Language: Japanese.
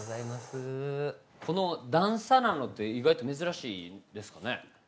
この段差なのって意外と珍しいですかね？